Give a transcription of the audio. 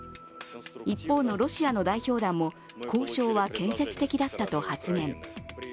一方のロシアの代表団も交渉は建設的だったと発言。